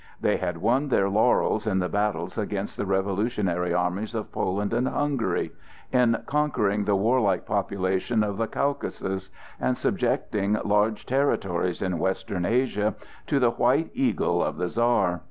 They had won their laurels in the battles against the revolutionary armies of Poland and Hungary, in conquering the warlike population of the Caucasus, and subjecting large territories in western Asia to the white eagle of the Czar.